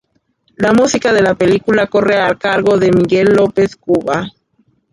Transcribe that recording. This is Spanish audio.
La música de la película corre a cargo de Miguel López Cubas.